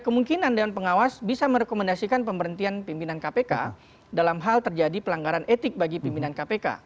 kemungkinan dewan pengawas bisa merekomendasikan pemberhentian pimpinan kpk dalam hal terjadi pelanggaran etik bagi pimpinan kpk